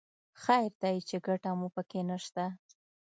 خیر دی چې ګټه مو په کې نه شته.